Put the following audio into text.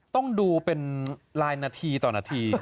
ต้องดูเป็นลายนาทีต่อนาที